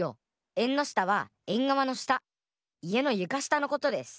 えんのしたはえんがわのしたいえのゆかしたのことです！